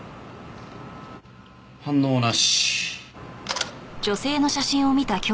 反応なし。